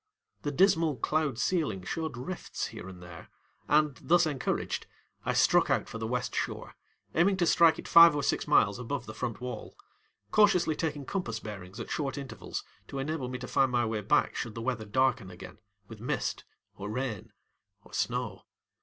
The dismal cloud ceiling showed rifts here and there, and, thus encouraged, I struck out for the west shore, aiming to strike it five or six miles above the front wall, cautiously taking compass bearings at short intervals to enable me to find my way back should the weather darken again with mist or rain or snow.